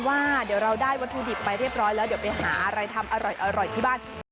หาอะไรทำอร่อยอร่อยที่บ้าน